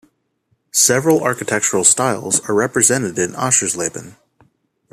Several architectural styles are represented in Aschersleben.